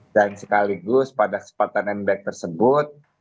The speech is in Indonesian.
dan sekaligus pada kesempatan yang baik tersebut